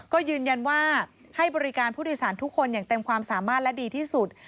ก็ยืนยันว่าให้บริการผู้โดยสารทุกคนอย่างเต็มความสามารถและดีที่สุด